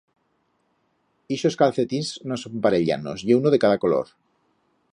Ixos calcetins no son parellanos, ye uno de cada color.